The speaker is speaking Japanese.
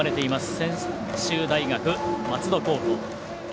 専修大学松戸高校。